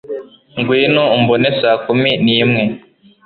ngwino umbone saa kumi n'imwe